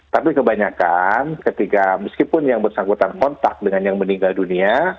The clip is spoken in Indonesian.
tapi kebanyakan ketika meskipun yang bersangkutan kontak dengan yang meninggal dunia